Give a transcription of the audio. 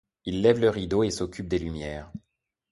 Il lève le rideau et s'occupe des lumières.